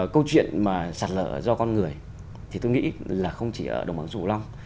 câu chuyện mà sạt lở do con người thì tôi nghĩ là không chỉ ở đồng bằng dù long